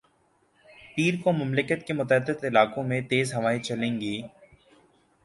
پیر کو مملکت کے متعدد علاقوں میں تیز ہوائیں چلیں گی